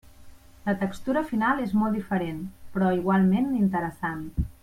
La textura final és molt diferent, però igualment interessant.